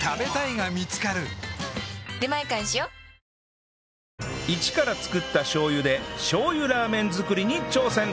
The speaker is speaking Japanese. ニトリイチから作ったしょう油でしょう油ラーメン作りに挑戦